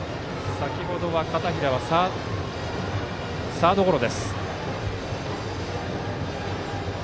先程、片平はサードゴロ。